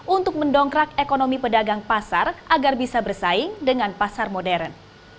untuk mendongkrak ekonomi pedagang pasar agar bisa bersaing dengan pasar modern